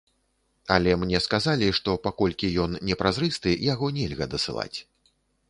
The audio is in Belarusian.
Але мне сказалі, што, паколькі ён не празрысты, яго нельга дасылаць.